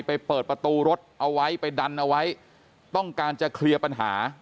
เปิดประตูรถเอาไว้ไปดันเอาไว้ต้องการจะเคลียร์ปัญหา